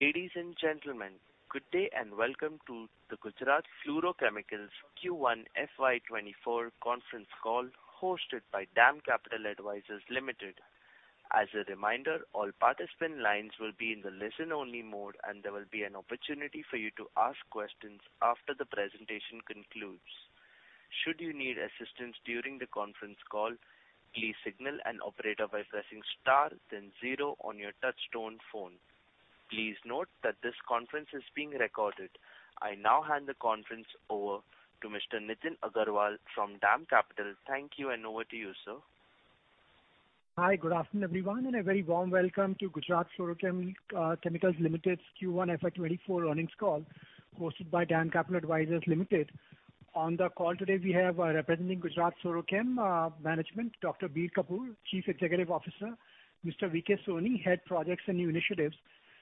Ladies and gentlemen, good day, welcome to the Gujarat Fluorochemicals Q1 FY24 conference call, hosted by DAM Capital Advisors Limited. As a reminder, all participant lines will be in the listen-only mode, and there will be an opportunity for you to ask questions after the presentation concludes. Should you need assistance during the conference call, please signal an operator by pressing star then zero on your touch-tone phone. Please note that this conference is being recorded. I now hand the conference over to Mr. Nitin Agarwal from DAM Capital. Thank you, over to you, sir. Hi. Good afternoon, everyone, and a very warm welcome to Gujarat Fluorochemicals Limited's Q1 FY24 earnings call, hosted by DAM Capital Advisors Limited. On the call today, we have, representing Gujarat Fluorochemicals management, Dr. Bir Kapoor, Chief Executive Officer; Mr. V.K. Soni, Head, Projects and New Initiatives;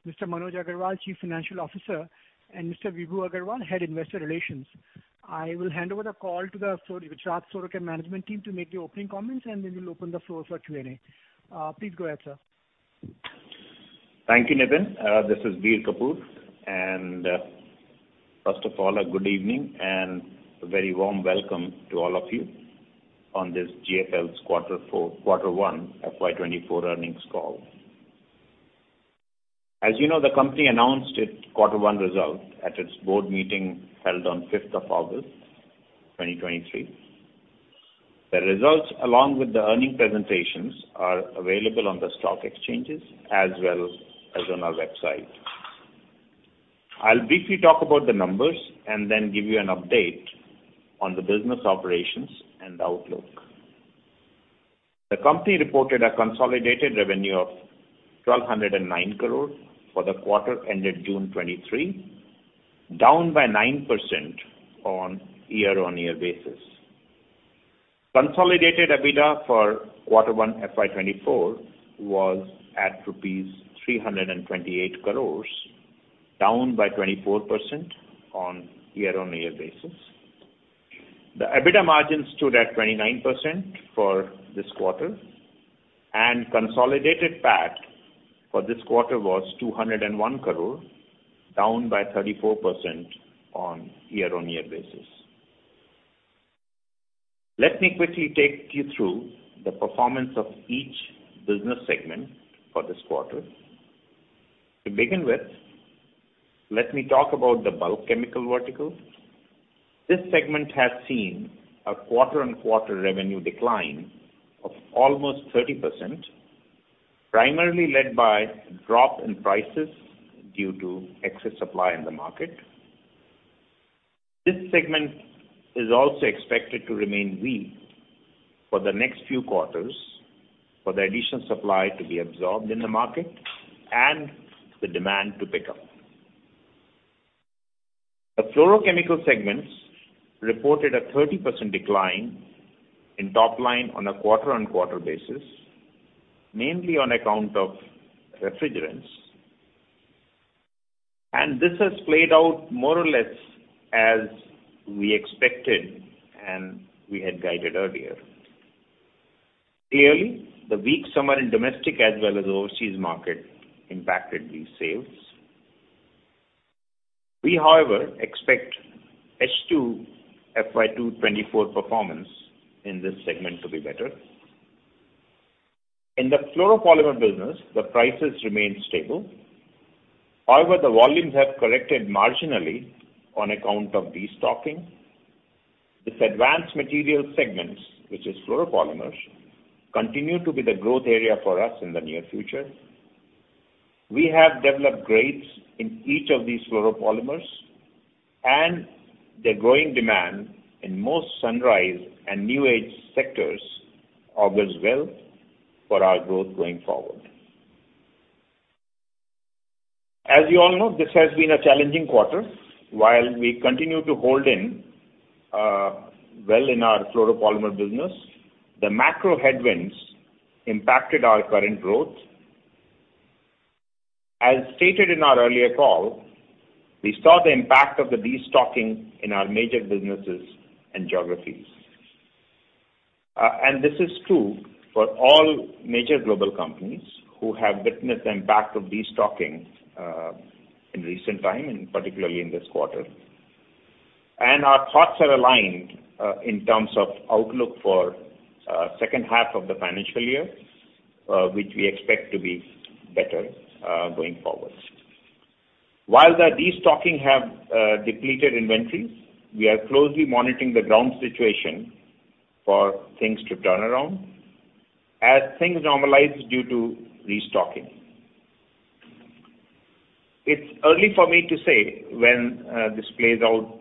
Mr. Manoj Agrawal, Chief Financial Officer; and Mr. Vibhu Agarwal, Head, Investor Relations. I will hand over the call to the Gujarat Fluorochemicals management team to make the opening comments, and then we'll open the floor for Q&A. Please go ahead, sir. Thank you, Nitin. This is Dr. Bir Kapoor, and first of all, a good evening and a very warm welcome to all of you on this GFL's Q1 FY24 earnings call. As you know, the company announced its Q1 result at its board meeting, held on 5th of August 2023. The results, along with the earning presentations, are available on the stock exchanges as well as on our website. I'll briefly talk about the numbers and then give you an update on the business operations and outlook. The company reported a consolidated revenue of ₹1,209 crore for the quarter ended June 2023, down by 9% on year-on-year basis. Consolidated EBITDA for Q1 FY24 was at ₹328 crore, down by 24% on year-on-year basis. The EBITDA margin stood at 29% for this quarter. Consolidated PAT for this quarter was ₹201 crore, down by 34% on a year-on-year basis. Let me quickly take you through the performance of each business segment for this quarter. To begin with, let me talk about the bulk chemical vertical. This segment has seen a quarter-on-quarter revenue decline of almost 30%, primarily led by drop in prices due to excess supply in the market. This segment is also expected to remain weak for the next few quarters for the additional supply to be absorbed in the market and the demand to pick up. The fluorochemical segments reported a 30% decline in top line on a quarter-on-quarter basis, mainly on account of refrigerants. This has played out more or less as we expected and we had guided earlier. Clearly, the weak summer in domestic as well as overseas market impacted these sales. We, however, expect H2 FY2024 performance in this segment to be better. In the fluoropolymer business, the prices remained stable. However, the volumes have corrected marginally on account of destocking. This advanced materials segment, which is fluoropolymers, continue to be the growth area for us in the near future. We have developed grades in each of these fluoropolymers, and the growing demand in most sunrise and new age sectors augurs well for our growth going forward. As you all know, this has been a challenging quarter. While we continue to hold in well in our fluoropolymer business, the macro headwinds impacted our current growth. As stated in our earlier call, we saw the impact of the destocking in our major businesses and geographies. This is true for all major global companies who have witnessed the impact of destocking in recent time, and particularly in this quarter. Our thoughts are aligned in terms of outlook for second half of the financial year, which we expect to be better going forward. While the destocking have depleted inventories, we are closely monitoring the ground situation for things to turn around as things normalize due to restocking. It's early for me to say when this plays out,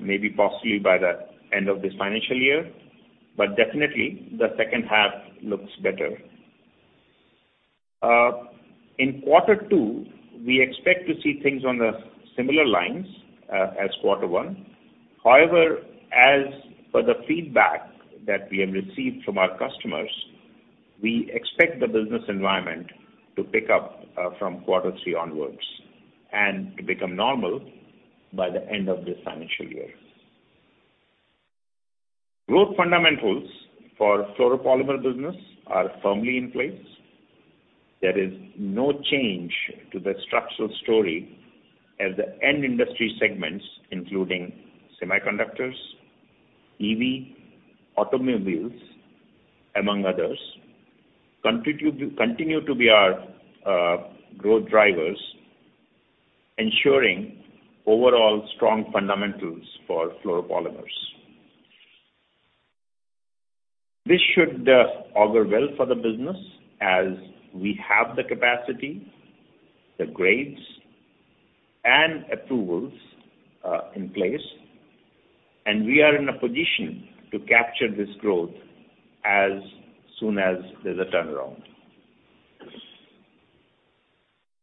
maybe possibly by the end of this financial year, but definitely the second half looks better. In quarter two, we expect to see things on the similar lines as quarter one. However, as per the feedback that we have received from our customers, we expect the business environment to pick up from quarter three onwards and to become normal by the end of this financial year. Growth fundamentals for fluoropolymer business are firmly in place. There is no change to the structural story as the end industry segments, including semiconductors, EV, automobiles, among others, contribute, continue to be our growth drivers, ensuring overall strong fundamentals for fluoropolymers. This should augur well for the business as we have the capacity, the grades, and approvals in place, and we are in a position to capture this growth as soon as there's a turnaround.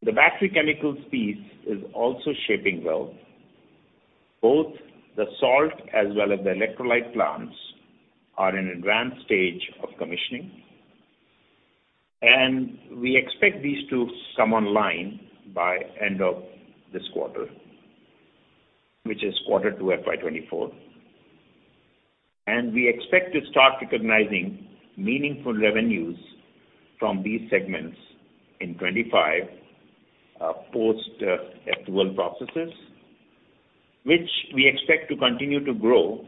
The battery chemicals piece is also shaping well. Both the salt as well as the electrolyte plants are in an advanced stage of commissioning. We expect these to come online by end of this quarter, which is Q2 FY24. We expect to start recognizing meaningful revenues from these segments in FY25 post approval processes, which we expect to continue to grow.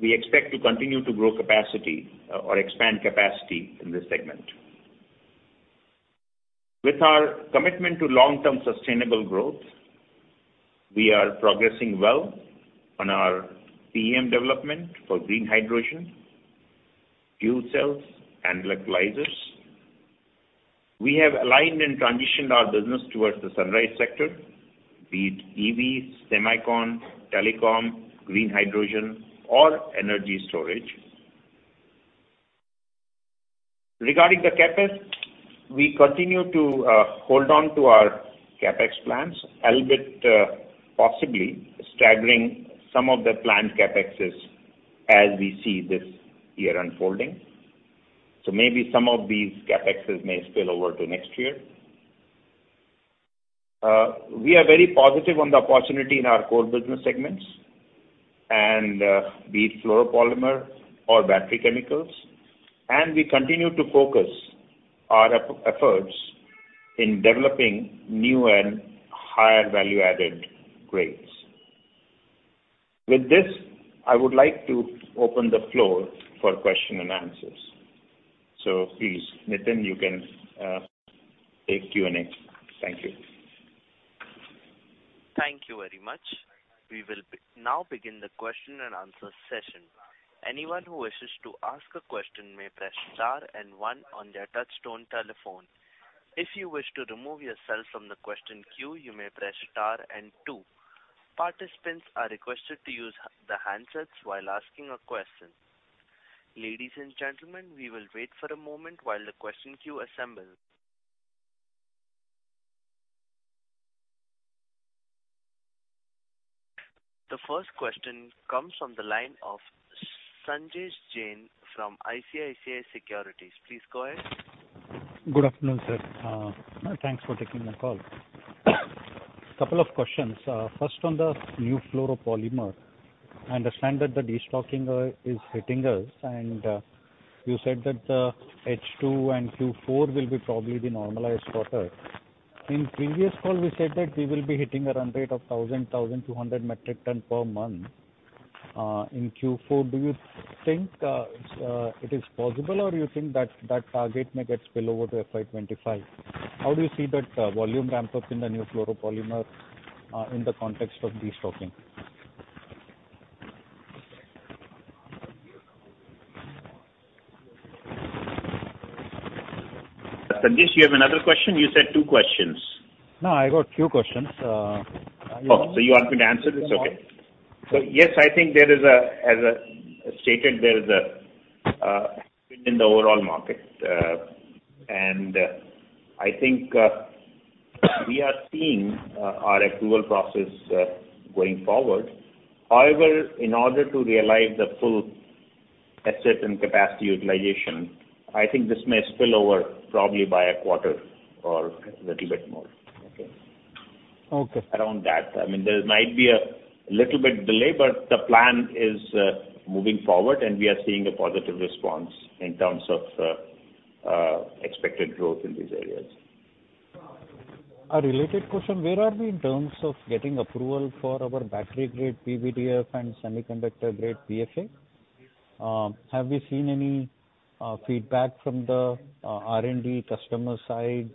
We expect to continue to grow capacity or, or expand capacity in this segment. With our commitment to long-term sustainable growth, we are progressing well on our PEM development for green hydrogen, fuel cells, and electrolyzers. We have aligned and transitioned our business towards the sunrise sector, be it EVs, semicon, telecom, green hydrogen, or energy storage. Regarding the CapEx, we continue to hold on to our CapEx plans, albeit possibly staggering some of the planned CapExs as we see this year unfolding. Maybe some of these CapExs may spill over to next year. We are very positive on the opportunity in our core business segments and be it fluoropolymer or battery chemicals, and we continue to focus our efforts in developing new and higher value-added grades. With this, I would like to open the floor for Q&As. Please, Nitin, you can take Q&A. Thank you. Thank you very much. We will now begin the Q&A session. Anyone who wishes to ask a question may press star and one on their touchtone telephone. If you wish to remove yourself from the question queue, you may press star and two. Participants are requested to use the handsets while asking a question. Ladies and gentlemen, we will wait for a moment while the question queue assembles. The first question comes from the line of Sanjesh Jain from ICICI Securities. Please go ahead. Good afternoon, sir. Thanks for taking my call. Couple of questions. First, on the new fluoropolymer, I understand that the destocking is hitting us, and you said that the H2 and Q4 will be probably the normalized quarter. In previous call, we said that we will be hitting a run rate of 1,000-1,200 metric ton per month in Q4. Do you think it is possible, or you think that, that target may get spill over to FY25? How do you see that volume ramp-up in the new fluoropolymer in the context of destocking? Sanjesh, you have another question? You said two questions. I got two questions. You want me to answer this? Okay. Yes, I think there is a, as I stated, there is a in the overall market, and I think we are seeing our approval process going forward. However, in order to realize the full asset and capacity utilization, I think this may spill over probably by a quarter or a little bit more. Okay? Okay. Around that. I mean, there might be a little bit delay, but the plan is moving forward, and we are seeing a positive response in terms of expected growth in these areas. A related question: Where are we in terms of getting approval for our battery grade PVDF and semiconductor grade PFA? Have we seen any feedback from the R&D customer side?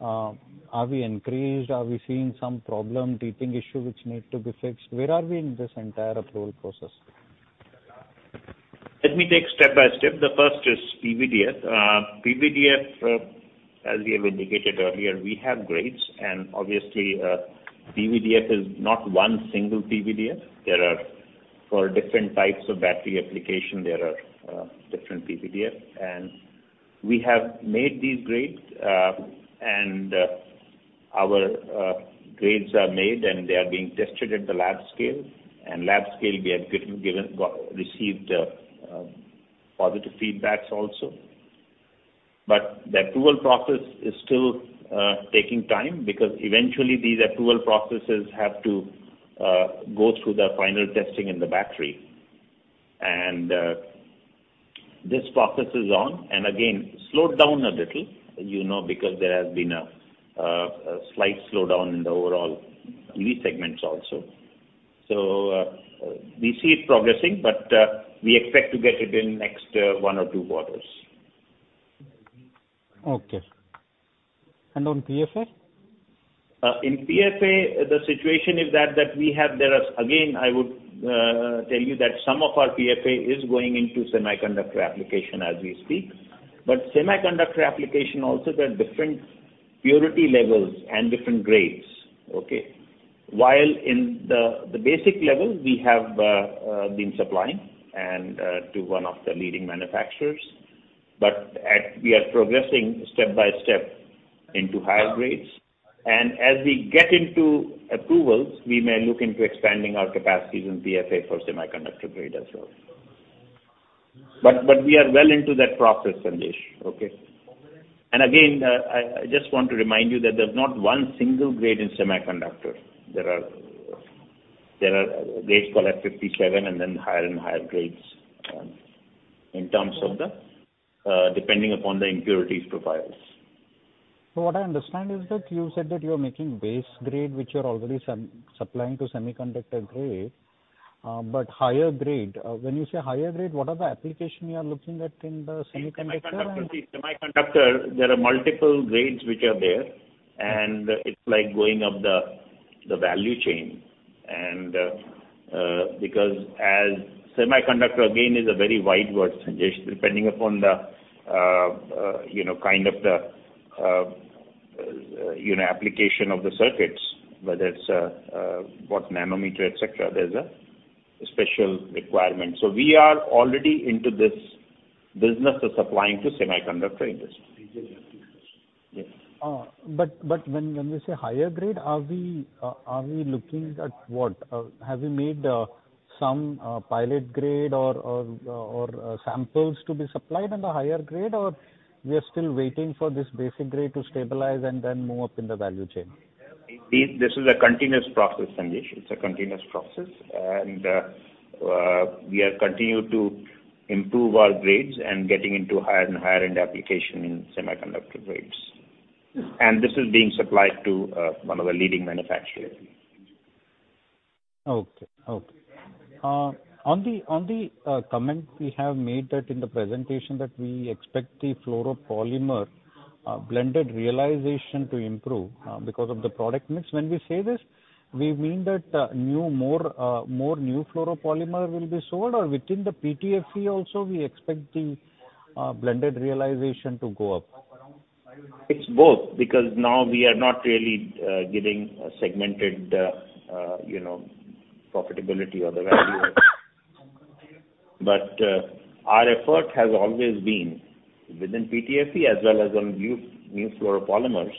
Are we increased? Are we seeing some problem, teething issue, which need to be fixed? Where are we in this entire approval process? Let me take step by step. The first is PVDF. PVDF, as we have indicated earlier, we have grades, and obviously, PVDF is not one single PVDF. There are for different types of battery application, there are, different PVDF. We have made these grades, and, our, grades are made, and they are being tested at the lab scale. Lab scale, we have received positive feedbacks also. The approval process is still taking time, because eventually these approval processes have to go through the final testing in the battery. This process is on, and again, slowed down a little, you know, because there has been a slight slowdown in the overall EV segments also. We see it progressing, but we expect to get it in next one or two quarters. Okay. On PFA? In PFA, the situation is that there are, again, I would tell you that some of our PFA is going into semiconductor application as we speak. Semiconductor application also there are different purity levels and different grades, okay? While in the, the basic level, we have been supplying and to one of the leading manufacturers, we are progressing step by step into higher grades. As we get into approvals, we may look into expanding our capacities in PFA for semiconductor grade as well. We are well into that process, Sanjesh, okay? Again, I, I just want to remind you that there's not one single grade in semiconductor. There are, there are grades called at F57 and then higher and higher grades in terms of the depending upon the impurity profiles. What I understand is that you said that you are making base grade, which you're already supplying to semiconductor grade, but higher grade. When you say higher grade, what are the application you are looking at in the semiconductor and? Semiconductor, there are multiple grades which are there, and it's like going up the, the value chain. Because as semiconductor, again, is a very wide word, Sanjesh, depending upon the, you know, kind of the, you know, application of the circuits, whether it's, what nanometer, et cetera, there's a special requirement. We are already into this business of supplying to semiconductor industry. Yes. But when, when we say higher grade, are we looking at what? Have we made some pilot grade or samples to be supplied in the higher grade, or we are still waiting for this basic grade to stabilize and then move up in the value chain? This is a continuous process, Sanjesh. It's a continuous process, and we are continued to improve our grades and getting into higher and higher end application in semiconductor grades. This is being supplied to one of the leading manufacturers. Okay. Okay. On the, on the comment we have made that in the presentation that we expect the fluoropolymer blended realization to improve because of the product mix. When we say this, we mean that new, more, more new fluoropolymer will be sold, or within the PTFE also, we expect the blended realization to go up? It's both, because now we are not really giving a segmented, you know, profitability or the value. Our effort has always been within PTFE as well as on new, new fluoropolymers,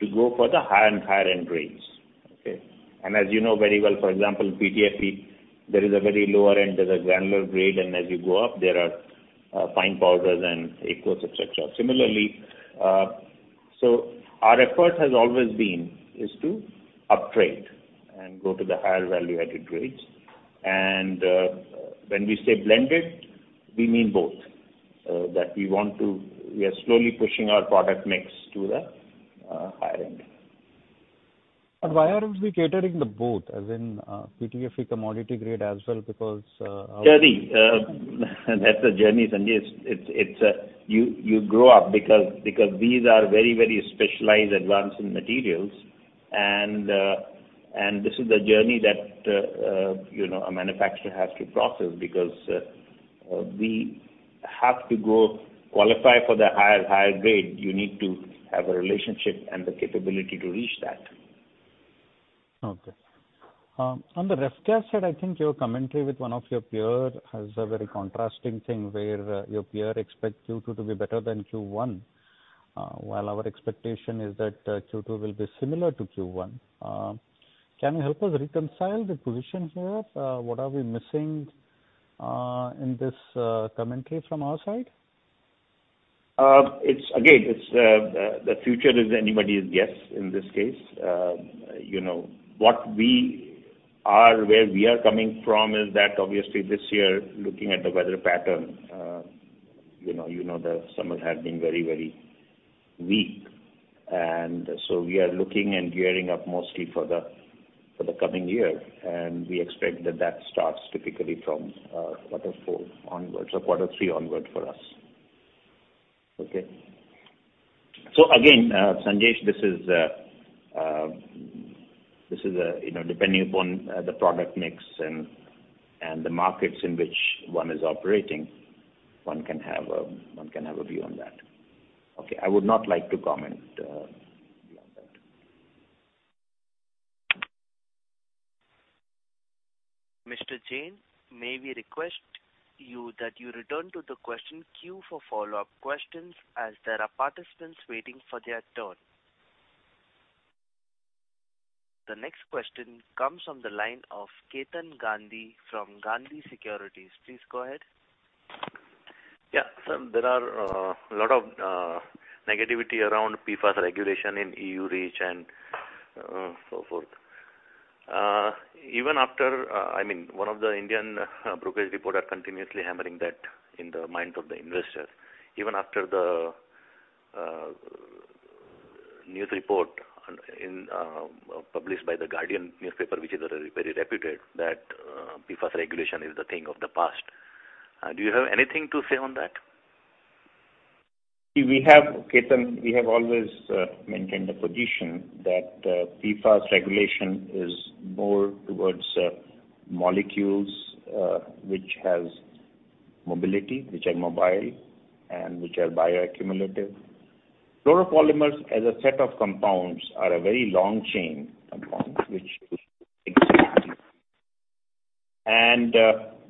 to go for the higher and higher end grades, okay? As you know very well, for example, PTFE, there is a very lower end, there's a granular grade, and as you go up, there are fine powders and aqueous, et cetera. Similarly, so our effort has always been, is to upgrade and go to the higher value-added grades. When we say blended, we mean both, that we want to. We are slowly pushing our product mix to the higher end. Why are we catering the both, as in, PTFE commodity grade as well? Because. Yeah, the, that's a journey, Sanjesh. It's, it's you, you grow up because, because these are very, very specialized advanced materials. This is the journey that, you know, a manufacturer has to process because we have to go qualify for the higher, higher grade. You need to have a relationship and the capability to reach that. Okay. On the ref gas side, I think your commentary with one of your peer has a very contrasting thing, where your peer expects Q2 to be better than Q1, while our expectation is that Q2 will be similar to Q1. Can you help us reconcile the position here? What are we missing in this commentary from our side? It's again, it's, the future is anybody's guess in this case. You know, what we are, where we are coming from is that obviously this year, looking at the weather pattern, you know, you know the summer had been very, very weak. So we are looking and gearing up mostly for the, for the coming year, and we expect that that starts typically from, quarter four onwards or quarter three onward for us. Okay? So again, Sanjesh, this is, this is, you know, depending upon, the product mix and, and the markets in which one is operating, one can have a, one can have a view on that. Okay, I would not like to comment beyond that. Mr. Jain, may we request you that you return to the question queue for follow-up questions, as there are participants waiting for their turn? The next question comes from the line of Ketan Gandhi from Gandhi Securities. Please go ahead. Yeah. There are a lot of negativity around PFAS regulation in EU REACH and so forth. Even after-- I mean, one of the Indian brokerage report are continuously hammering that in the minds of the investors. Even after the news report on, in, published by The Guardian newspaper, which is a very reputed, that PFAS regulation is the thing of the past. Do you have anything to say on that? We have, Ketan, we have always maintained the position that PFAS regulation is more towards molecules, which has mobility, which are mobile and which are bioaccumulative. Fluoropolymers, as a set of compounds, are a very long chain compound, which is.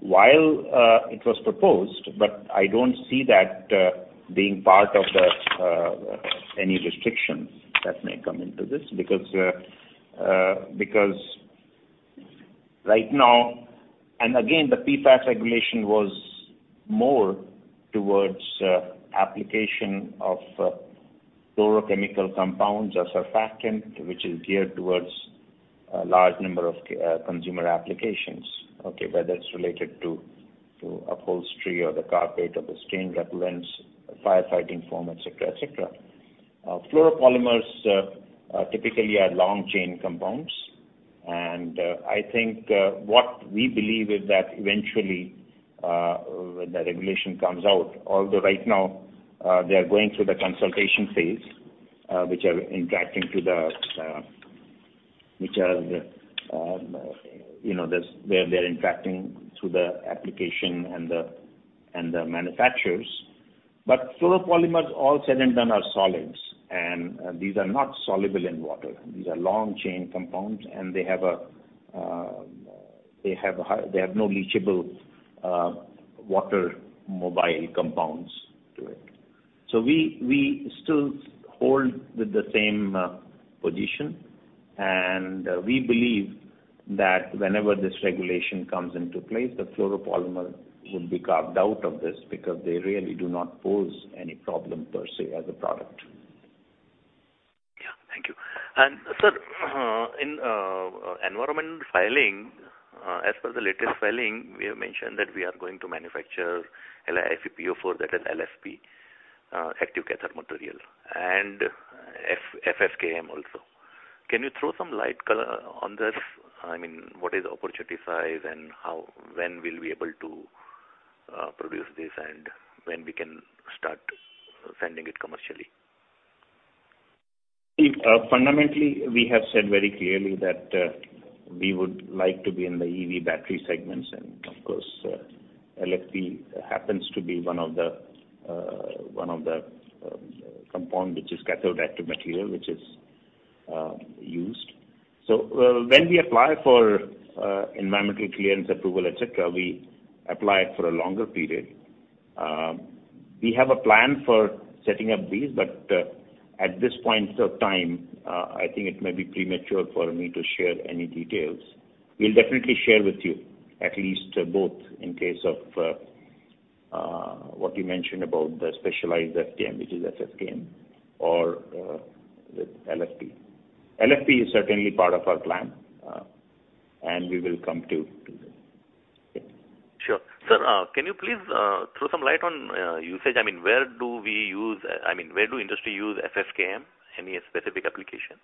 While it was proposed, but I don't see that being part of the any restrictions that may come into this. Because right now. Again, the PFAS regulation was more towards application of fluorochemical compounds or surfactant, which is geared towards a large number of consumer applications, okay, whether it's related to, to upholstery or the carpet or the stain repellents, firefighting foam, et cetera, et cetera. Fluoropolymers are typically are long chain compounds. I think, what we believe is that eventually, when the regulation comes out, although right now, they are going through the consultation phase, which are interacting to the, which are, you know, they're, they're interacting through the application and the, and the manufacturers. Fluoropolymers, all said and done, are solids, and these are not soluble in water. These are long chain compounds, and they have no leachable water mobile compounds to it. We still hold with the same position, and we believe that whenever this regulation comes into place, the fluoropolymer would be carved out of this because they really do not pose any problem per se as a product. Yeah. Thank you. And, sir, in environment filing, as per the latest filing, we have mentioned that we are going to manufacture LiFePO4, that is LFP, active cathode material, and FFKM also. Can you throw some light color on this? I mean, what is the opportunity size, and how, when we'll be able to produce this and when we can start sending it commercially? See, fundamentally, we have said very clearly that, we would like to be in the EV battery segments. Of course, LFP happens to be one of the, one of the compound, which is cathode active material, which is used. When we apply for environmental clearance, approval, et cetera, we apply it for a longer period. We have a plan for setting up these, but, at this point of time, I think it may be premature for me to share any details. We'll definitely share with you at least both in case of what you mentioned about the specialized FKM, which is FFKM or the LFP. LFP is certainly part of our plan, and we will come to, to you. Okay. Sure. Sir, can you please throw some light on usage? I mean, where do we use, I mean, where do industry use FFKM? Any specific application?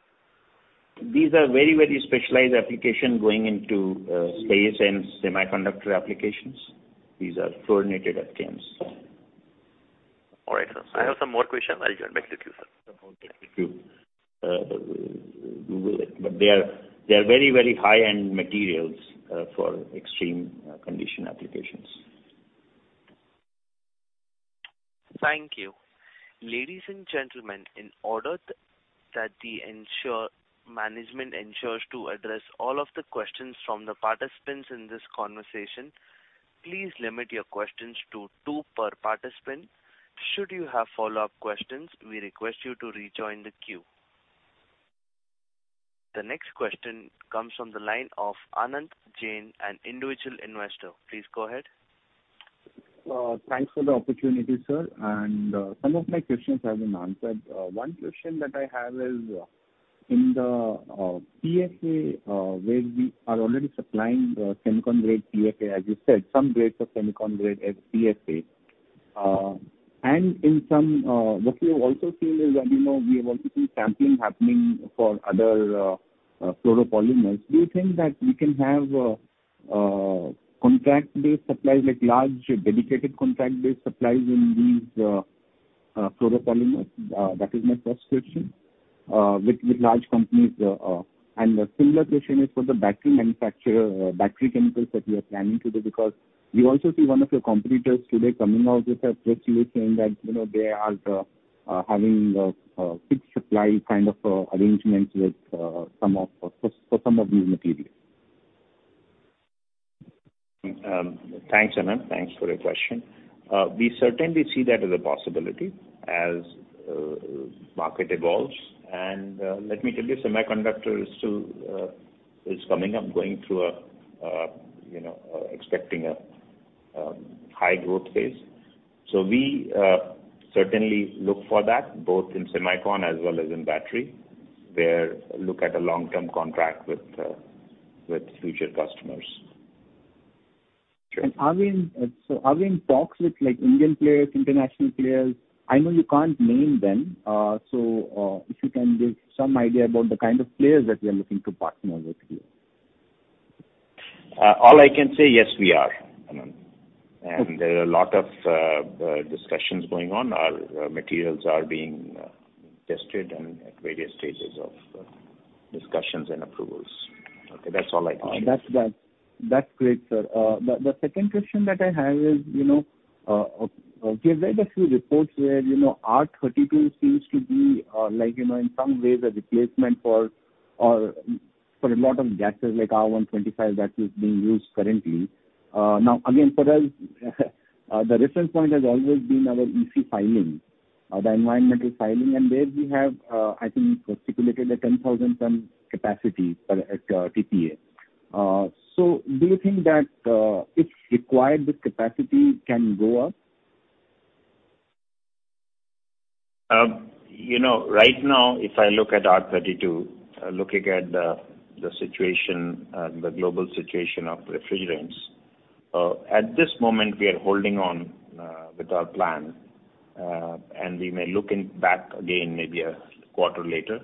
These are very, very specialized application going into space and semiconductor applications. These are fluorinated FKMs. All right, sir. I have some more questions. I'll get back to you, sir. Thank you. They are, they are very, very high-end materials, for extreme, condition applications. Thank you. Ladies and gentlemen, in order that the management ensures to address all of the questions from the participants in this conversation, please limit your questions to two per participant. Should you have follow-up questions, we request you to rejoin the queue. The next question comes from the line of Anant Jain, an individual investor. Please go ahead. Thanks for the opportunity, sir, and some of my questions have been answered. One question that I have is, in the PFA, where we are already supplying semicon grade PFA, as you said, some grades of semicon grade as PFA. In some, what we have also seen is that, you know, we want to see sampling happening for other fluoropolymers. Do you think that we can have contract-based supplies, like large, dedicated contract-based supplies in these fluoropolymers? That is my first question, with large companies. The similar question is for the battery manufacturer, battery chemicals that we are planning to do, because we also see one of your competitors today coming out with a press release saying that, you know, they are having a fixed supply kind of arrangements with some of for for some of these materials. Thanks, Anant. Thanks for the question. We certainly see that as a possibility as market evolves. Let me tell you, semiconductor is still is coming up, going through a, you know, expecting a high growth phase. We certainly look for that both in semicon as well as in battery, where look at a long-term contract with future customers. Sure. Are we in talks with, like, Indian players, international players? I know you can't name them, if you can give some idea about the kind of players that we are looking to partner with here. All I can say, yes, we are, Anant. Okay. There are a lot of discussions going on. Our materials are being tested and at various stages of discussions and approvals. Okay, that's all I can share. That's, that's, that's great, sir. The, the second question that I have is, you know, we have read a few reports where, you know, R32 seems to be, like, you know, in some ways a replacement for, or for a lot of gases, like R125, that is being used currently. Now, again, for us, the reference point has always been our EC filing, the environmental filing, and there we have, I think, stipulated a 10,000 ton capacity per, at TPA. So do you think that, if required, this capacity can go up? You know, right now, if I look at R32, looking at the, the situation, the global situation of refrigerants, at this moment, we are holding on with our plan, and we may look in back again maybe a quarter later.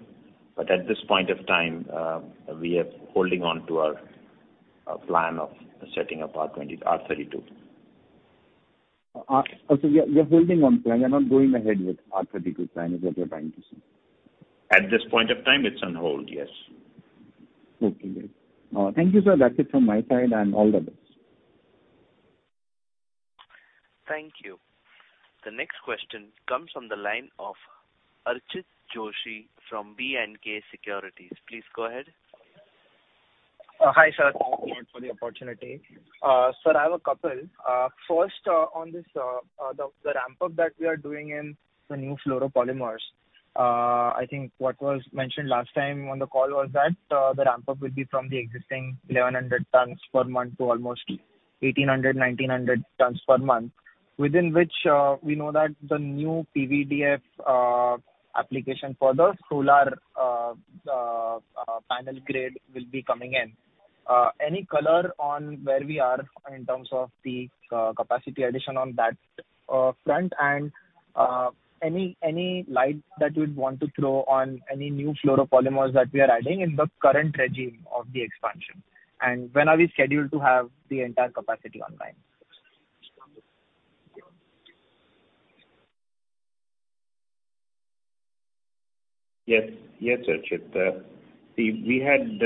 At this point of time, we are holding on to our plan of setting up R32. so you're, you're holding on plan. You're not going ahead with R32 plan, is what you're trying to say? At this point of time, it's on hold, yes. Okay, great. Thank you, sir. That's it from my side, and all the best. Thank you. The next question comes from the line of Archit Joshi from B&K Securities. Please go ahead. Hi, sir. Thank you for the opportunity. Sir, I have a couple. First, on this, the ramp-up that we are doing in the new fluoropolymers. I think what was mentioned last time on the call was that the ramp-up will be from the existing 1,100 tons per month to almost 1,800-1,900 tons per month, within which, we know that the new PVDF application for the solar panel grade will be coming in. Any color on where we are in terms of the capacity addition on that front? Any, any light that you'd want to throw on any new fluoropolymers that we are adding in the current regime of the expansion? When are we scheduled to have the entire capacity online? Yes. Yes, Archit. We, we had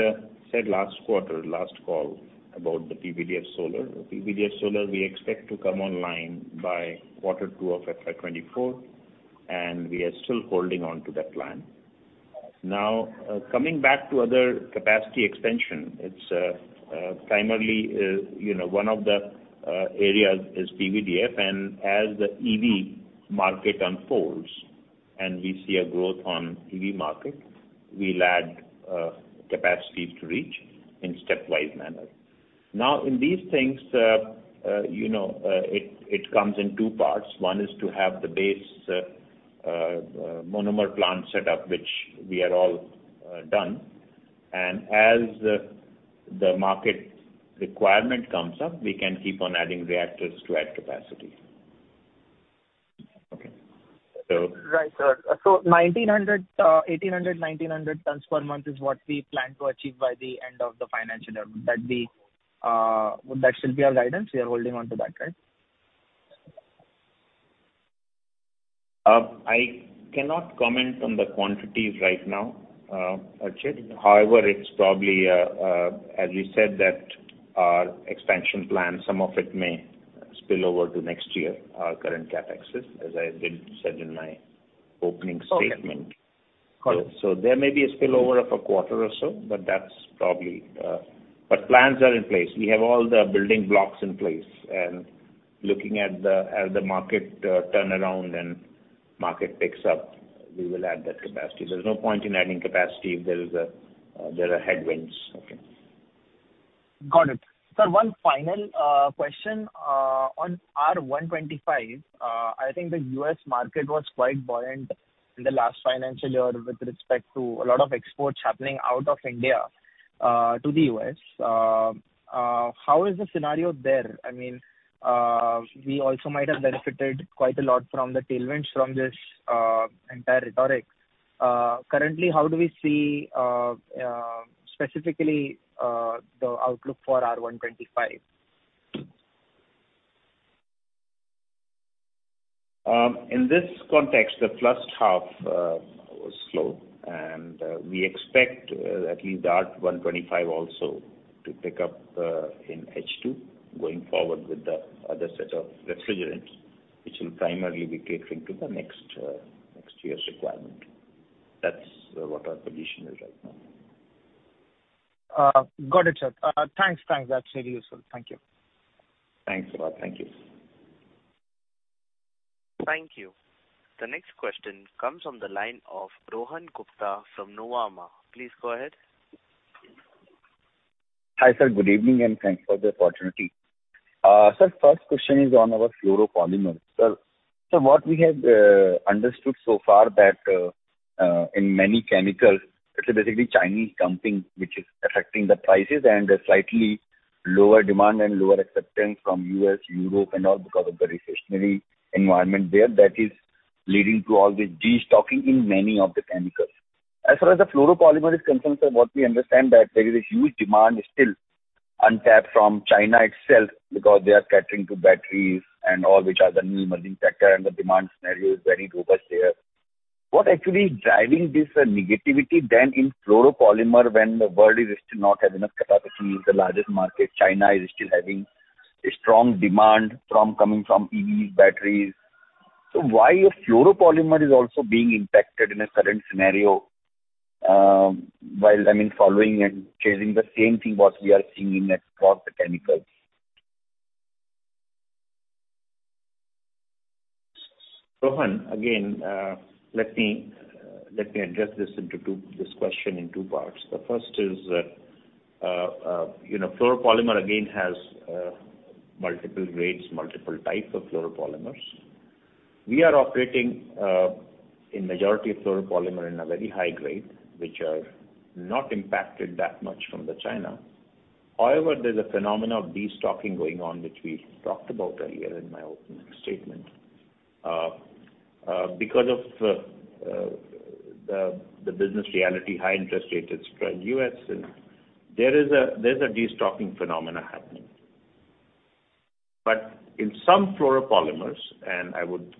said last quarter, last call, about the PVDF solar. PVDF solar, we expect to come online by quarter two of FY24. We are still holding on to that plan. Now, coming back to other capacity expansion, it's primarily, you know, one of the areas is PVDF. As the EV market unfolds and we see a growth on EV market, we'll add capacities to reach in stepwise manner. Now, in these things, you know, it comes in two parts. One is to have the base monomer plant set up, which we are all done. As the market requirement comes up, we can keep on adding reactors to add capacity. Right, sir. Nineteen hundred, 1,800, 1,900 tons per month is what we plan to achieve by the end of the financial year. That we, that should be our guidance. We are holding on to that, right? I cannot comment on the quantities right now, Archit. However, it's probably, as you said, that our expansion plan, some of it may spill over to next year, our current CapExs, as I did said in my opening statement. Okay. Got it. There may be a spillover of a quarter or so, but that's probably. Plans are in place. We have all the building blocks in place, and looking at the, at the market, turnaround and market picks up, we will add that capacity. There's no point in adding capacity if there is a, there are headwinds. Okay. Got it. Sir, one final question on R125. I think the U.S. market was quite buoyant in the last financial year with respect to a lot of exports happening out of India to the U.S. How is the scenario there? I mean, we also might have benefited quite a lot from the tailwinds from this entire rhetoric. Currently, how do we see specifically the outlook for R125? In this context, the first half was slow, and we expect at least R125 also to pick up in H2, going forward with the other set of refrigerants. Will primarily be catering to the next next year's requirement. That's what our position is right now. Got it, sir. Thanks, thanks. That's very useful. Thank you. Thanks a lot. Thank you. Thank you. The next question comes from the line of Rohan Gupta from Nuvama. Please go ahead. Hi, sir. Good evening, thanks for the opportunity. Sir, first question is on our fluoropolymers. Sir, what we have understood so far that in many chemicals, it's basically Chinese dumping, which is affecting the prices and a slightly lower demand and lower acceptance from U.S., Europe, and all because of the recessionary environment there, that is leading to all this destocking in many of the chemicals. As far as the fluoropolymer is concerned, sir, what we understand that there is a huge demand still untapped from China itself, because they are catering to batteries and all, which are the new emerging factor, and the demand scenario is very robust there. What actually is driving this negativity then in fluoropolymer when the world is still not having enough capacity, is the largest market, China is still having a strong demand from coming from EV batteries? Why a fluoropolymer is also being impacted in a current scenario, while following and chasing the same thing what we are seeing in across the chemicals? Rohan, again, let me, let me address this into two this question in two parts. The first is, you know, fluoropolymer again has multiple grades, multiple types of fluoropolymers. We are operating in majority of fluoropolymer in a very high grade, which are not impacted that much from China. However, there's a phenomena of destocking going on, which we talked about earlier in my opening statement. Because of the business reality, high interest rates etcetera in US, there is a, there's a destocking phenomena happening. In some fluoropolymers, and I would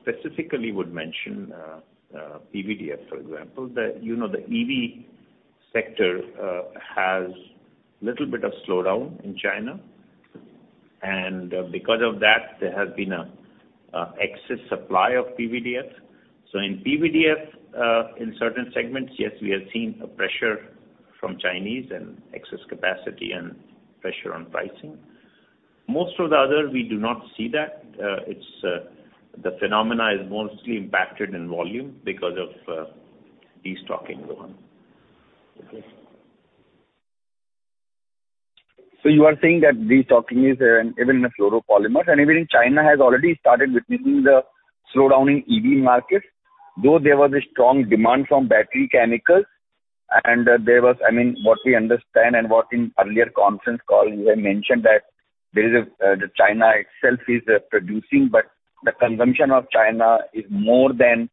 specifically would mention PVDF, for example, that, you know, the EV sector has little bit of slowdown in China, and because of that, there has been a excess supply of PVDF. In PVDF, in certain segments, yes, we have seen a pressure from Chinese and excess capacity and pressure on pricing. Most of the other, we do not see that. It's, the phenomena is mostly impacted in volume because of destocking, Rohan. Okay. You are saying that destocking is even in the fluoropolymers, and even in China has already started witnessing the slowdown in EV markets, though there was a strong demand from battery chemicals, I mean, what we understand and what in earlier conference calls you have mentioned that there is a the China itself is producing, but the consumption of China is more than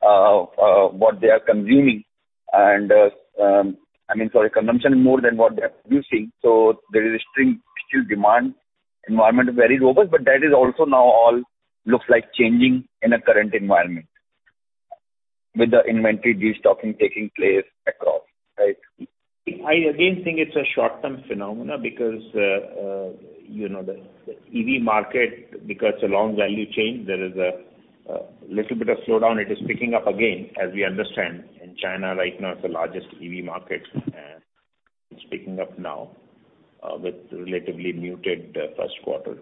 what they are consuming. I mean, sorry, consumption is more than what they are producing, so there is a strong still demand. Environment is very robust, but that is also now all looks like changing in a current environment with the inventory destocking taking place across, right? I again think it's a short-term phenomena because, you know, the, the EV market, because a long value chain, there is a little bit of slowdown. It is picking up again, as we understand, and China right now is the largest EV market, it's picking up now, with relatively muted, first quarter.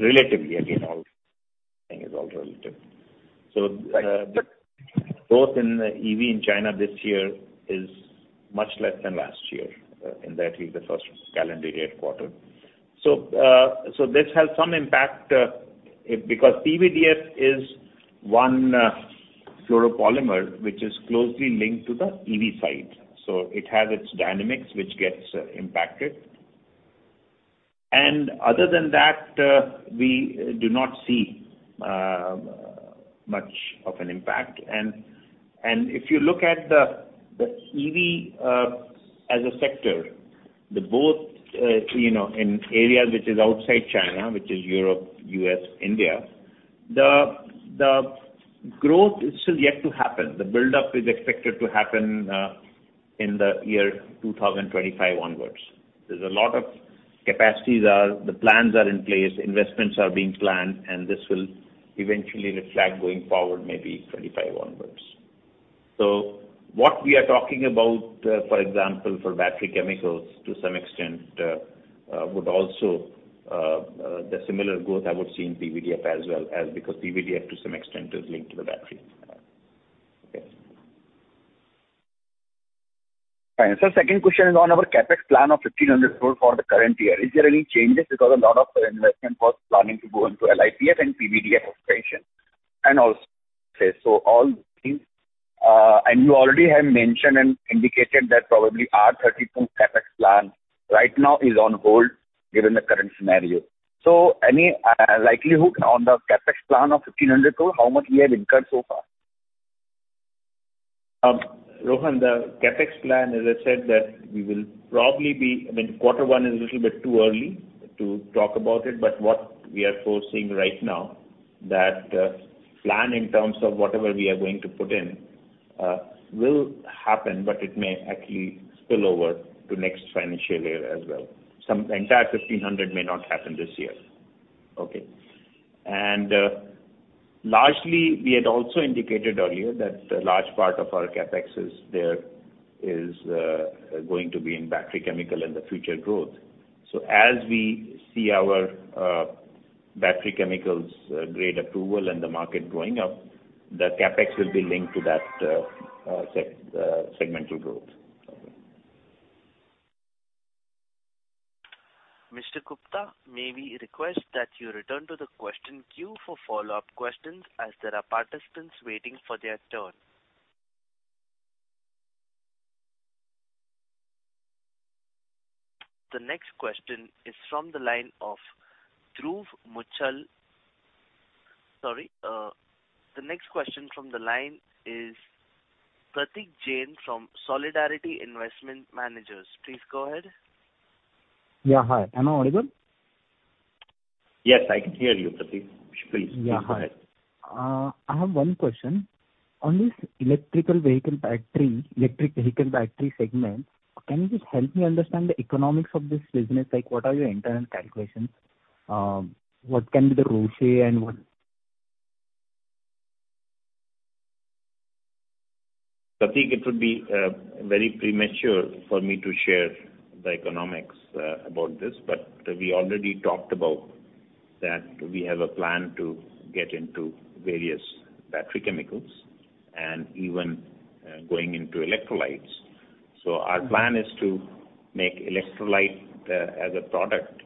Relatively, again, all thing is all relative. So, Right. both in the EV in China this year is much less than last year, in that is the first calendar year quarter. This has some impact, because PVDF is one fluoropolymer, which is closely linked to the EV side. It has its dynamics, which gets impacted. Other than that, we do not see much of an impact. If you look at the EV, as a sector, the both, you know, in areas which is outside China, which is Europe, U.S., India, the growth is still yet to happen. The buildup is expected to happen, in the year 2025 onwards. There's a lot of capacities are the plans are in place, investments are being planned, and this will eventually reflect going forward, maybe 2025 onwards. What we are talking about, for example, for battery chemicals to some extent, would also the similar growth I would see in PVDF as well, as because PVDF to some extent is linked to the battery. Okay. Fine. Second question is on our CapEx plan of 1,500 crore for the current year. Is there any changes? Because a lot of investment was planning to go into LiPF and PVDF expansion and also. All, and you already have mentioned and indicated that probably our 32 CapEx plan right now is on hold given the current scenario. Any likelihood on the CapEx plan of INR 1,500 crore, how much we have incurred so far? Rohan, the CapEx plan, as I said, that we will probably be, I mean, quarter one is a little bit too early to talk about it, but what we are foresee right now that plan in terms of whatever we are going to put in will happen, but it may actually spill over to next financial year as well. Some, the entire 1,500 may not happen this year, okay? Largely, we had also indicated earlier that a large part of our CapEx is going to be in battery chemical and the future growth. As we see our battery chemicals grade approval and the market going up, the CapEx will be linked to that segmental growth. Mr. Gupta, may we request that you return to the question queue for follow-up questions, as there are participants waiting for their turn. The next question is from the line of Dhruv Muchhal. Sorry, the next question from the line is Pratik Jain from Solidarity Investment Managers. Please go ahead. Yeah, hi. Am I audible? Yes, I can hear you, Pratik. Please, go ahead. Yeah, hi. I have one question. On this electrical vehicle battery, electric vehicle battery segment, can you just help me understand the economics of this business? Like, what are your internal calculations, what can be the ROCE? Pratik, it would be very premature for me to share the economics about this, but we already talked about that we have a plan to get into various battery chemicals and even going into electrolytes. Our plan is to make electrolyte as a product.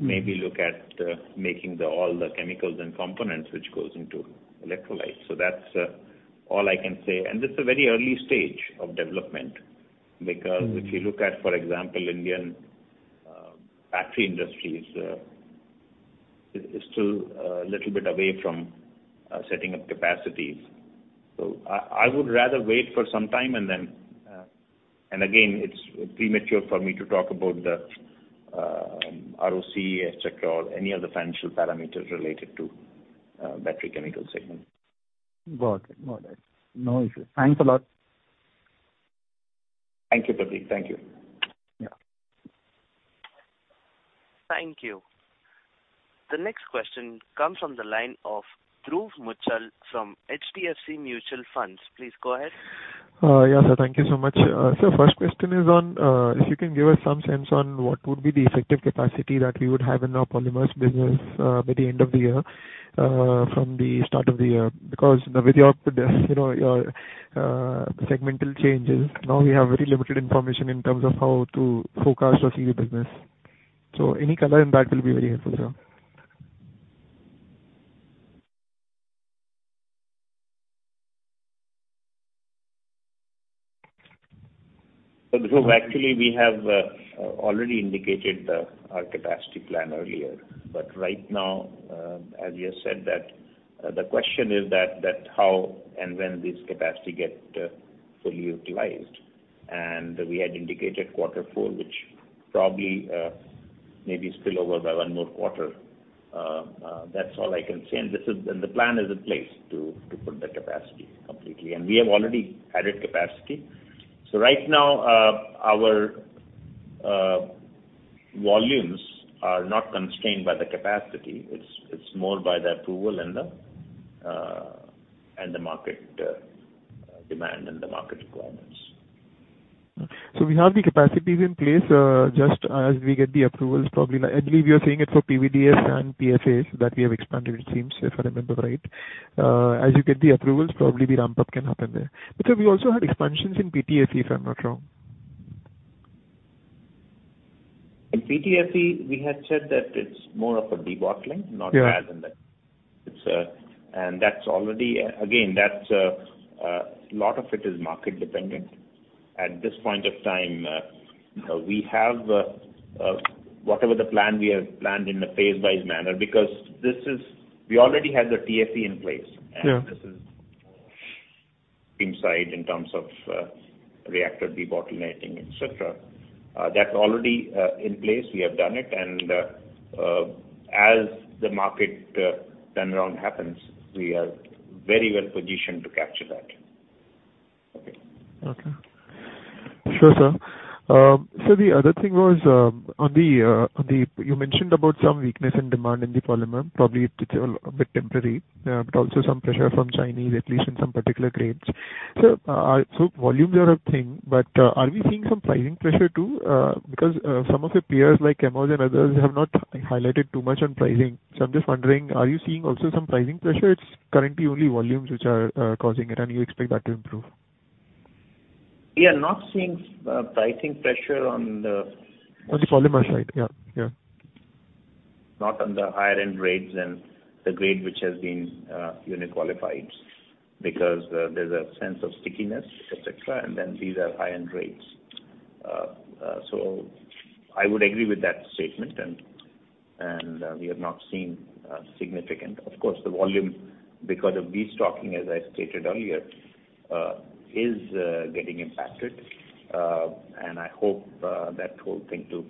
Maybe look at, making the, all the chemicals and components which goes into electrolytes. That's all I can say. This is a very early stage of development. If you look at, for example, Indian battery industries, it is still little bit away from setting up capacities. I would rather wait for some time, and then. Again, it's premature for me to talk about the ROCE, et cetera, or any other financial parameters related to battery chemical segment. Got it. Got it. No issue. Thanks a lot. Thank you, Pratik. Thank you. Yeah. Thank you. The next question comes from the line of Dhruv Muchhal from HDFC Mutual Funds. Please go ahead. Yeah, sir, thank you so much. First question is on, if you can give us some sense on what would be the effective capacity that we would have in our polymers business, by the end of the year, from the start of the year? Because with your, you know, your, segmental changes, now we have very limited information in terms of how to forecast or see the business. Any color on that will be very helpful, sir. Dhruv, actually, we have already indicated the, our capacity plan earlier, but right now, as you have said, that the question is that, that how and when this capacity get fully utilized. We had indicated quarter four, which probably maybe spill over by one more quarter. That's all I can say. The plan is in place to, to put the capacity completely. We have already added capacity. Right now, our volumes are not constrained by the capacity. It's, it's more by the approval and the market demand and the market requirements. We have the capacities in place, just as we get the approvals, probably like I believe you are saying it for PVDF and PFA, that we have expanded, it seems, if I remember right. As you get the approvals, probably the ramp-up can happen there. Sir, we also had expansions in PTFE, if I'm not wrong. In PTFE, we had said that it's more of a debottlenecking, not adding. Yeah. It's. That's already, again, that's, lot of it is market dependent. At this point of time, we have, whatever the plan, we have planned in a phase-wise manner, because we already have the TFE in place. Yeah. This is inside in terms of reactor debottlenecking, et cetera. That's already in place. We have done it, and as the market turnaround happens, we are very well positioned to capture that. Okay. Okay. Sure, sir. The other thing was, on the. You mentioned about some weakness in demand in the polymer, probably it's a bit temporary, but also some pressure from Chinese, at least in some particular grades. Volumes are a thing, but are we seeing some pricing pressure, too? Some of your peers, like Chemours and others, have not highlighted too much on pricing. I'm just wondering, are you seeing also some pricing pressure? It's currently only volumes which are causing it, and you expect that to improve? We are not seeing, pricing pressure. On the polymer side. Yeah, yeah. Not on the higher end grades and the grade which has been uni qualified, because there's a sense of stickiness, et cetera, and then these are high-end grades. I would agree with that statement, and we have not seen significant. Of course, the volume, because of destocking, as I stated earlier, is getting impacted. I hope that whole thing to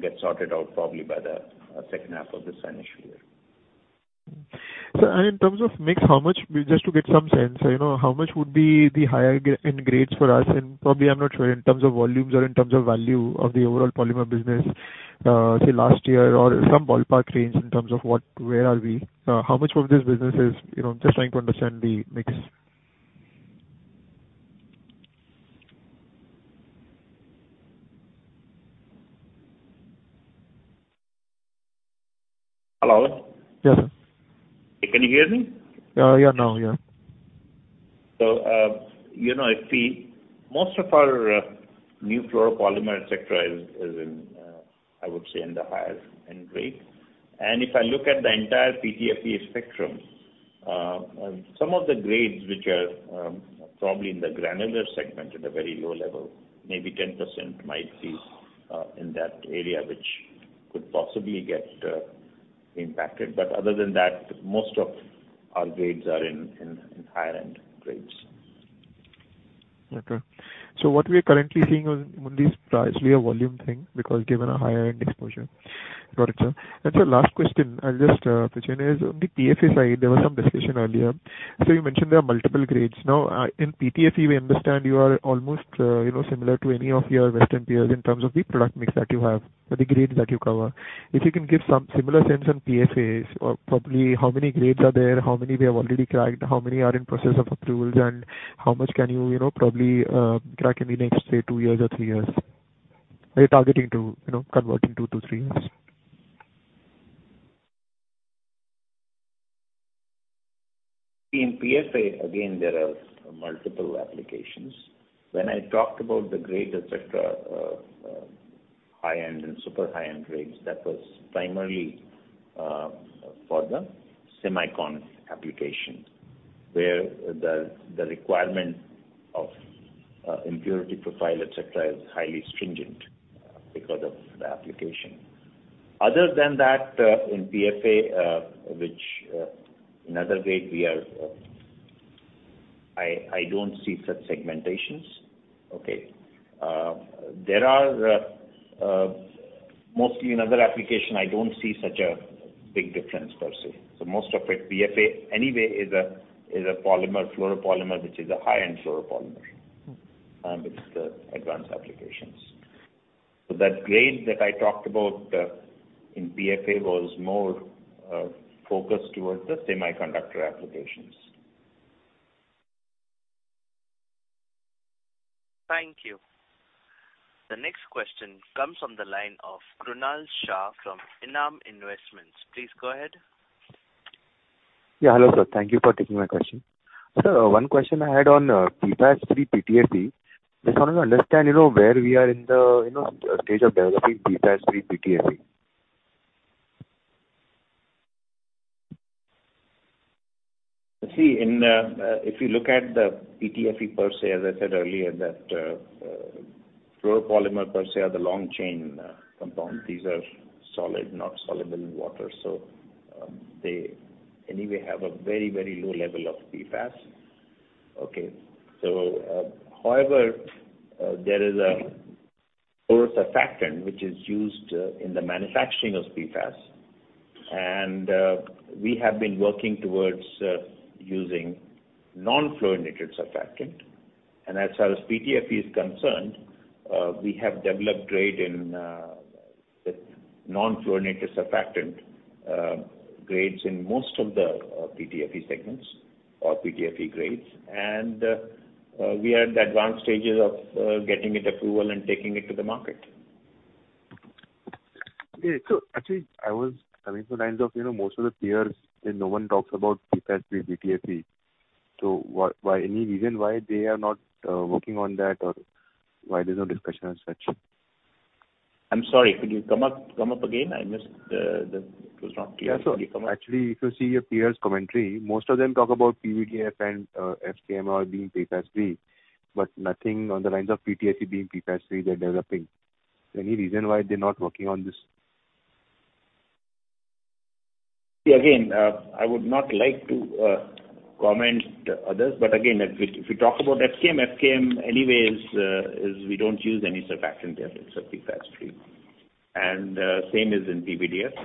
get sorted out probably by the second half of this financial year. Sir, in terms of mix, how much, just to get some sense, you know, how much would be the higher end grades for us? Probably, I'm not sure in terms of volumes or in terms of value of the overall polymer business, say, last year or some ballpark range in terms of where are we? How much of this business is, you know, just trying to understand the mix. Hello? Yes. Can you hear me? Yeah, now, yeah. You know, most of our new fluoropolymer, et cetera, is, is in, I would say, in the higher end grade. If I look at the entire PTFE spectrum, some of the grades which are, probably in the granular segment at a very low level, maybe 10% might be, in that area, which could possibly get, impacted. Other than that, most of our grades are in, in, in higher end grades. Okay. What we are currently seeing on this is primarily a volume thing, because given a higher end exposure. Got it, sir. Sir, last question I'll just put in is, on the PFA side, there was some discussion earlier. You mentioned there are multiple grades. Now, in PTFE, we understand you are almost, you know, similar to any of your Western peers in terms of the product mix that you have or the grades that you cover. If you can give some similar sense on PFAs or probably how many grades are there, how many we have already cracked, how many are in process of approvals, and how much can you, you know, probably crack in the next, say, two years or three years? Are you targeting to, you know, convert in two to three years? In PSA, again, there are multiple applications. When I talked about the grade, et cetera, high-end and super high-end grades, that was primarily for the semicon applications, where the, the requirement of impurity profile, et cetera, is highly stringent because of the application. Other than that, in PFA, which another grade we are, I, I don't see such segmentations. Okay. There are, mostly in other application, I don't see such a big difference per se. Most of it, PFA, anyway, is a, is a polymer, fluoropolymer, which is a high-end fluoropolymer, with the advanced applications. That grade that I talked about, in PFA was more focused towards the semiconductor applications. Thank you. The next question comes from the line of Krunal Shah from ENAM Investments. Please go ahead. Yeah, hello, sir. Thank you for taking my question. Sir, one question I had on PFAS free PTFE. Just wanted to understand, you know, where we are in the, you know, stage of developing PFAS free PTFE. See, in, if you look at the PTFE per se, as I said earlier, that fluoropolymer per se are the long chain compound. These are solid, not soluble in water, so they anyway, have a very, very low level of PFAS. Okay. However, there is a poor surfactant, which is used in the manufacturing of PFAS. We have been working towards using non-fluorinated surfactant. As far as PTFE is concerned, we have developed grade in with non-fluorinated surfactant, grades in most of the PTFE segments or PTFE grades. We are in the advanced stages of getting it approval and taking it to the market. Okay. actually, I was coming to the lines of, you know, most of the peers, and no one talks about PFAS free PTFE. why, why any reason why they are not working on that, or why there's no discussion as such? I'm sorry, could you come up again? I missed the. It was not clear. Yeah. Actually, if you see your peers' commentary, most of them talk about PVDF and FKM are being PFAS free, but nothing on the lines of PTFE being PFAS free they're developing. Any reason why they're not working on this? See, again, I would not like to comment others. Again, if we, if we talk about FKM, FKM anyway is, is we don't use any surfactant there, so it's PFAS free. Same is in PVDF.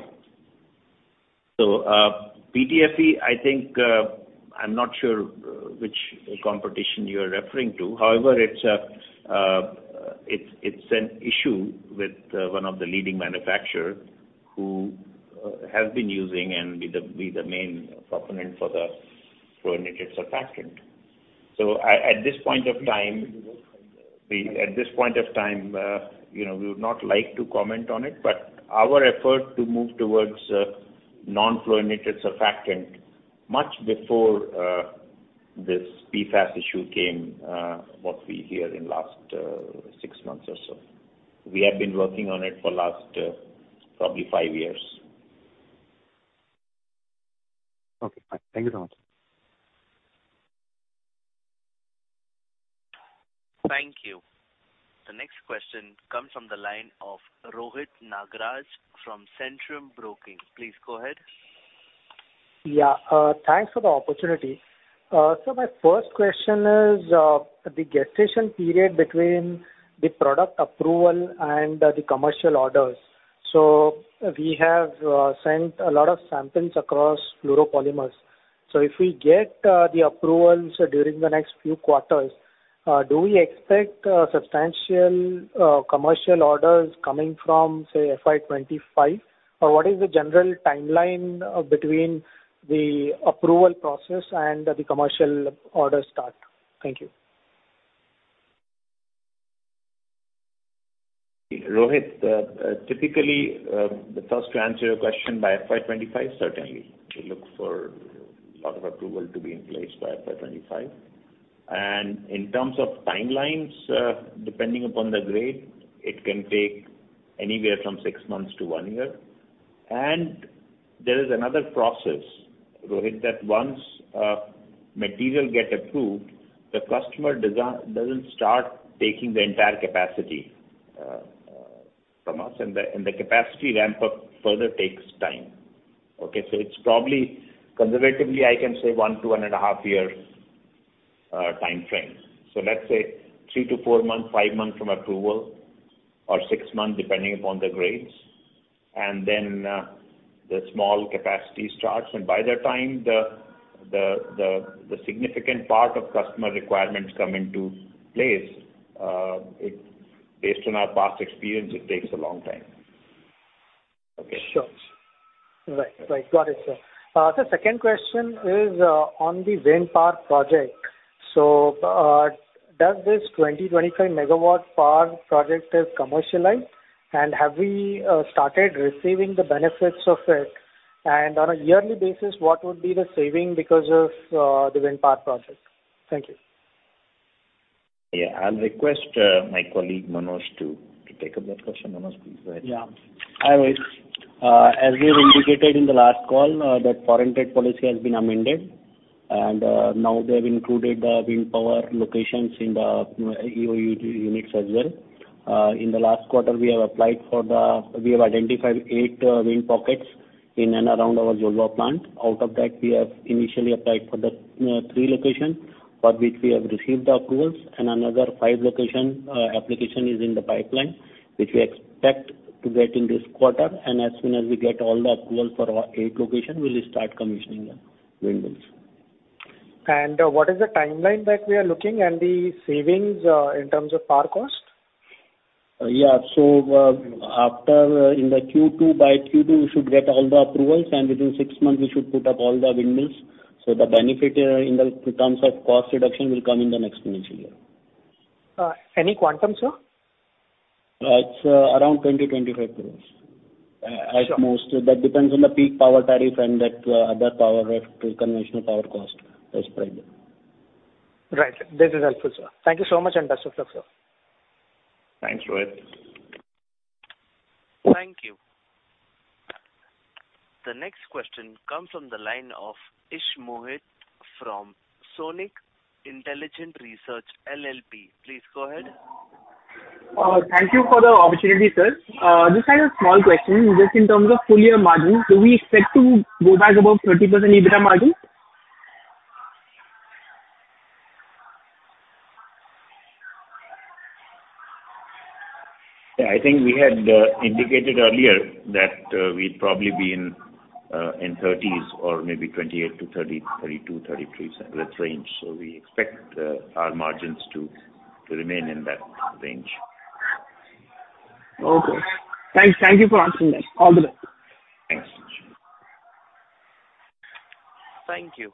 PTFE, I think, I'm not sure which competition you are referring to. However, it's a, it's, it's an issue with one of the leading manufacturers who have been using and be the, be the main proponent for the fluorinated surfactant. At this point of time, at this point of time, you know, we would not like to comment on it, but our effort to move towards non-fluorinated surfactant much before this PFAS issue came, what we hear in last six months or so. We have been working on it for last, probably five years. Okay, fine. Thank you so much. Thank you. The next question comes from the line of Rohit Nagraj from Centrum Broking. Please go ahead. Yeah, thanks for the opportunity. My first question is, the gestation period between the product approval and the commercial orders. We have sent a lot of samples across fluoropolymers. If we get the approvals during the next few quarters, do we expect substantial commercial orders coming from, say, FY25? Or what is the general timeline between the approval process and the commercial order start? Thank you. Rohit, typically, the first to answer your question by FY25, certainly. We look for a lot of approval to be in place by FY25. In terms of timelines, depending upon the grade, it can take anywhere from six months to one year. There is another process, Rohit, that once, material get approved, the customer doesn't start taking the entire capacity, from us, and the capacity ramp up further takes time. Okay, so it's probably, conservatively, I can say one to one and a half years, time frame. So let's say three to four months, five months from approval, or six months, depending upon the grades, and then, the small capacity starts. By that time, the, the, the, the significant part of customer requirements come into place, it based on our past experience, it takes a long time. Okay. Sure. Right. Right. Got it, sir. The second question is on the wind power project. Does this 25 MW power project is commercialized? Have we started receiving the benefits of it? On a yearly basis, what would be the saving because of the wind power project? Thank you. Yeah. I'll request, my colleague, Manoj, to, to take up that question. Manoj, please go ahead. Yeah. Hi, Rohit. As we have indicated in the last call, that foreign trade policy has been amended, now they have included the wind power locations in the EOU units as well. In the last quarter, we have applied for the we have identified eight wind pockets in and around our Jhajjar plant. Out of that, we have initially applied for the three location, for which we have received the approvals, five location application is in the pipeline, which we expect to get in this quarter. As soon as we get all the approval for our eight location, we'll start commissioning the windmills. What is the timeline that we are looking and the savings, in terms of power cost? Yeah. After in the Q2, by Q2, we should get all the approvals. Within six months, we should put up all the windmills. The benefit in the terms of cost reduction will come in the next financial year. Any quantum, sir? It's around 20-25 crore. Sure. At most. That depends on the peak power tariff and that, other power, conventional power cost as present. Right. This is helpful, sir. Thank you so much, and best of luck, sir. Thanks, Rohit. Thank you. The next question comes from the line of Ishmohit from Sonic Intelligent Research LLP. Please go ahead. Thank you for the opportunity, sir. Just I have a small question. Just in terms of full year margin, do we expect to go back above 30% EBITDA margin? Yeah, I think we had indicated earlier that we'd probably be in 30s or maybe 28%-30%, 32%, 33%, that range. We expect our margins to remain in that range. Okay. Thanks. Thank you for answering that. All the best. Thanks. Thank you.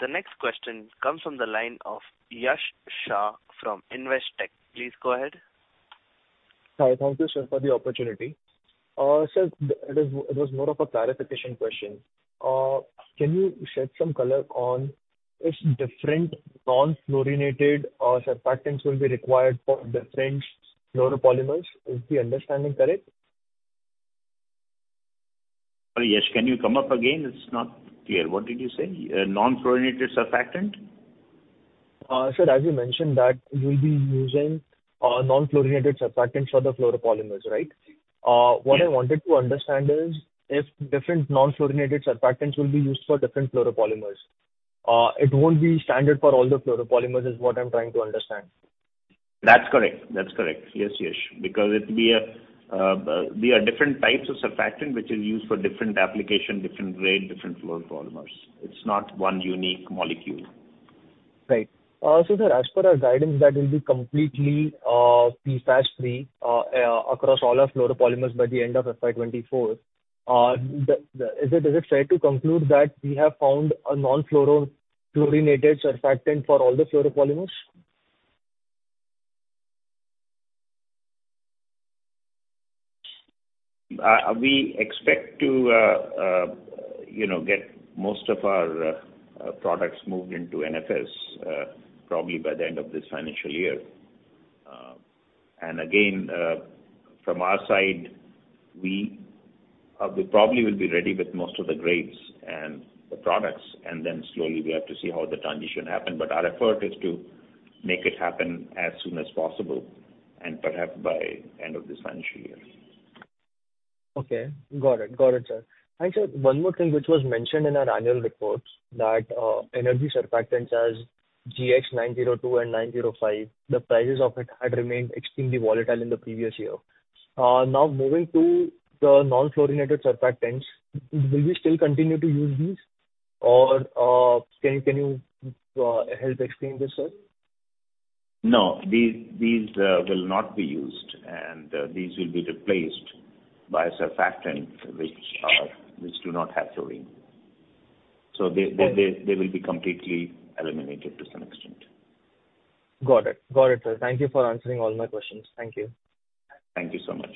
The next question comes from the line of Yash Shah from Investec. Please go ahead. Hi. Thank you, sir, for the opportunity. Sir, it was more of a clarification question. Can you shed some color on if different non-fluorinated surfactants will be required for different fluoropolymers? Is the understanding correct? Yash, can you come up again? It's not clear. What did you say? Non-fluorinated surfactant? Sir, as you mentioned, that you'll be using, non-fluorinated surfactant for the fluoropolymers, right? Yes. What I wanted to understand is, if different non-fluorinated surfactants will be used for different fluoropolymers, it won't be standard for all the fluoropolymers, is what I'm trying to understand? That's correct. That's correct. Yes, Yash, because it'll be a, there are different types of surfactant which is used for different application, different grade, different fluoropolymers. It's not one unique molecule. Right. sir, as per our guidance, that will be completely PFAS-free across all our fluoropolymers by the end of FY24. Is it fair to conclude that we have found a non-fluorinated surfactant for all the fluoropolymers? We expect to, you know, get most of our products moved into NFS probably by the end of this financial year. Again, from our side, we probably will be ready with most of the grades and the products, and then slowly we have to see how the transition happen. Our effort is to make it happen as soon as possible, and perhaps by end of this financial year. Okay. Got it. Got it, sir. Sir, one more thing, which was mentioned in our annual reports, that, energy surfactants as GX902 and 905, the prices of it had remained extremely volatile in the previous year. Now, moving to the non-fluorinated surfactants, will we still continue to use these? Can you, can you, help explain this, sir? No, these, these, will not be used, and, these will be replaced by a surfactant which, which do not have fluorine. Okay. They, they, they will be completely eliminated to some extent. Got it. Got it, sir. Thank you for answering all my questions. Thank you. Thank you so much.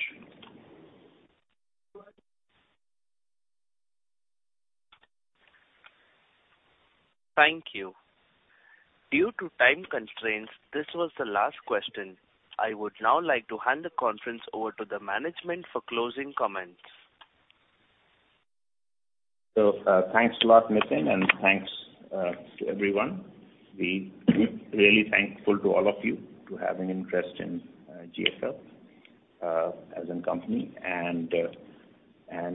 Thank you. Due to time constraints, this was the last question. I would now like to hand the conference over to the management for closing comments. Thanks a lot, Nitin, and thanks to everyone. We are really thankful to all of you to have an interest in GFL as a company, and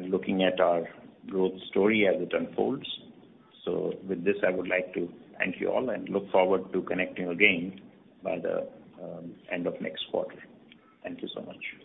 looking at our growth story as it unfolds. With this, I would like to thank you all and look forward to connecting again by the end of next quarter. Thank you so much.